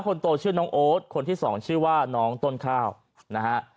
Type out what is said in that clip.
คนโตชื่อน้องโอ๊ตคนที่สองชื่อว่าน้องต้นข้าวนะฮะ